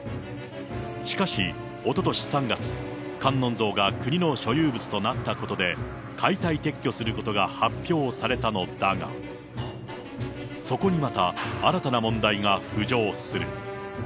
しかしおととし３月、観音像が国の所有物となったことで、解体撤去することが発表されたのだが、そこにまた、新たな問題が浮上する。